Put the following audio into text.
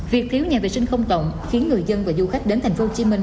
việc thiếu nhà vệ sinh công cộng khiến người dân và du khách đến thành phố hồ chí minh